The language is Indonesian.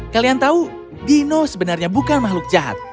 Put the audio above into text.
kalian tahu dino sebenarnya bukan makhluk jahat